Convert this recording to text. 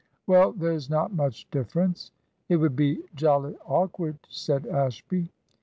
"Well, there's not much difference." "It would be jolly awkward," said Ashby.